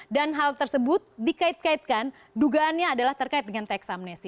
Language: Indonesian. dan hal tersebut dikait kaitkan dugaannya adalah terkait dengan tax amnesty